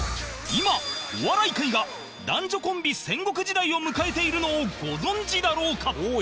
今お笑い界が男女コンビ戦国時代を迎えているのをご存じだろうか？